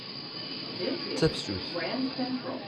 D tafsut.